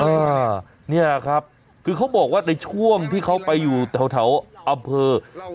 อ่่าเนี่ยครับคือเขาบอกว่าในช่วงที่เขานั่งกินเล่าไปอยู่ที่แถวอำเภอบางบ่อ